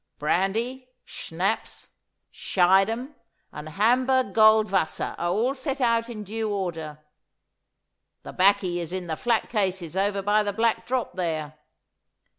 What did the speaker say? Brandy, schnapps, Schiedam, and Hamburg Goldwasser are all set out in due order. The 'baccy is in the flat cases over by the Black Drop there.